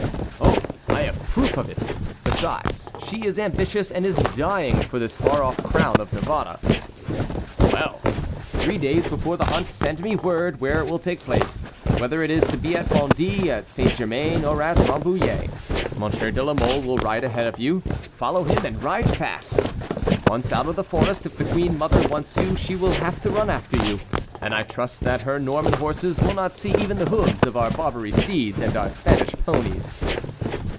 "Oh! I have proof of it. Besides, she is ambitious and is dying for this far off crown of Navarre." "Well! three days before the hunt send me word where it will take place—whether it is to be at Bondy, at Saint Germain, or at Rambouillet. Monsieur de la Mole will ride ahead of you; follow him, and ride fast. Once out of the forest if the queen mother wants you she will have to run after you; and I trust that her Norman horses will not see even the hoofs of our Barbary steeds and our Spanish ponies."